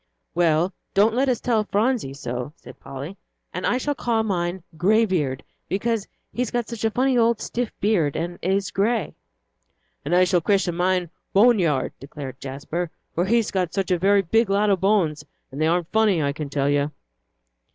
"Well, don't let us tell Phronsie so," said Polly, "and I shall call mine 'Greybeard' because he's got such a funny old stiff beard and it is grey." "And I shall christen mine 'Boneyard,'" declared Jasper, "for he's got such a very big lot of bones, and they aren't funny, I can tell you."